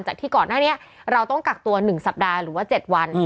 ที่ก่อนหน้านี้เราต้องกักตัว๑สัปดาห์หรือว่า๗วัน